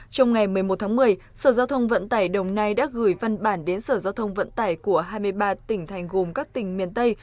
trong ngày một mươi một tháng một mươi sở giao thông vận tải đồng nai đã gửi văn bản đến sở giao thông vận tải của hai mươi ba tỉnh thành gồm các tỉnh miền tây